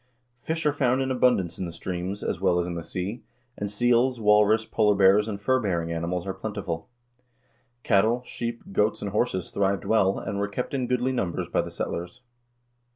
Fish are found in abundance in the streams, as well as in the sea, and seals, walrus, polar bears, and furbearing animals are plentiful. Cattle, sheep, goats, and horses thrived well, and were kept in goodly numbers by the settlers.